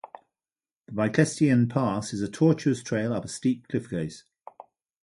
The Byklestigen pass is a torturous trail up a steep cliff face.